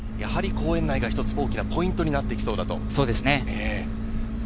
公園内が一つ大きなポイントになってきそうだと。